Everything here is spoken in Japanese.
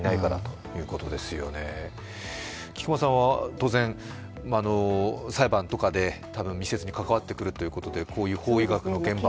菊間さんは、当然裁判とかで密接に関わってくるということでこういう法医学の現場も。